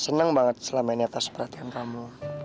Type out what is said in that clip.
senang banget selama ini atas perhatian kamu